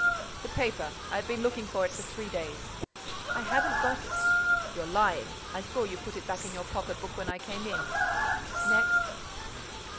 "The paper. I've been looking for it for three days." "I haven't got it." "You're lying. I saw you put it back in your pocket book when I came in." "Next?"